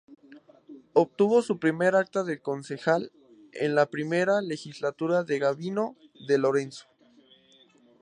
Obtuvo su primer acta de concejal en la primera legislatura de Gabino De Lorenzo.